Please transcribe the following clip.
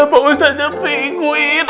kenapa ustazah penguin